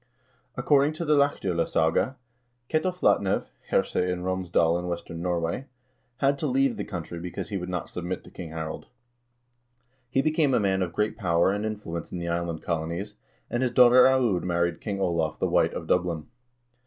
Ac cording to the "Laxd0lasaga," Ketil Flatnev, herse in Romsdal in western Norway, had to leave the country because he would not sub mit to King Harald. He became a man of great power and influence in the island colonies, and his daughter Aud married King Olav the White of Dublin.